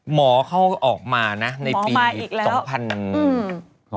หมอเขาออกมานะในปี๒๕๖๐นะหมออีกแล้วมคนะ